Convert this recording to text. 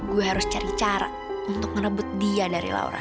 gue harus cari cara untuk merebut dia dari laura